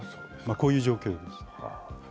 こういう状況です。